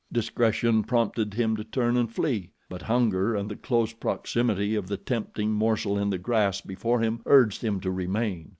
Discretion prompted him to turn and flee, but hunger and the close proximity of the tempting morsel in the grass before him urged him to remain.